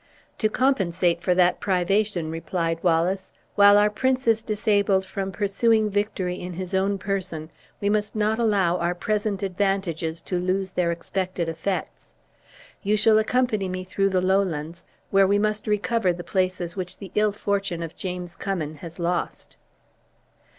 "To compensate for that privation," replied Wallace, "while our prince is disabled from pursuing victory in his own person, we must not allow our present advantages to lose their expected effects. You shall accompany me through the Lowlands, where we must recover the places which the ill fortune of James Cummin has lost."